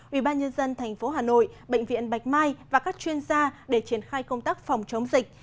ubnd tp hà nội bệnh viện bạch mai và các chuyên gia để triển khai công tác phòng chống dịch